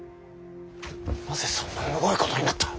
なぜそんなむごいことになった？